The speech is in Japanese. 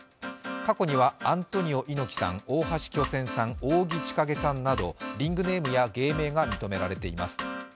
過去にはアントニオ猪木さん、大橋巨泉さん、扇千景さんなどリングネームや芸名が認められています。